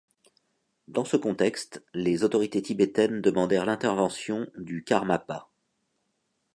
Dans ce contexte, les autorités tibétaines demandèrent l’intervention du Karmapa.